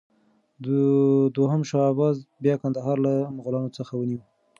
دوهم شاه عباس بیا کندهار له مغلانو څخه ونیوه.